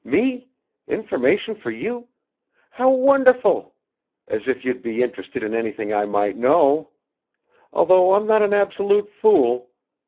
"Me? Information for you? How wonderful! As if you'd be interested in anything I might know! Although I'm not an absolute fool.